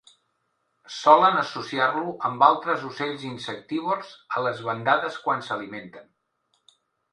Solen associar-lo amb altres ocells insectívors a les bandades quan s'alimenten.